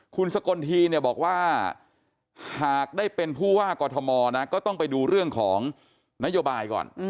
คุณสกลทีเนี่ยบอกว่าหากได้เป็นผู้ว่ากอทมนะก็ต้องไปดูเรื่องของนโยบายก่อน